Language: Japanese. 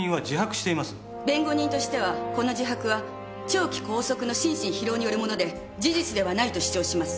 弁護人としてはこの自白は長期拘束の心身疲労によるもので事実ではないと主張します。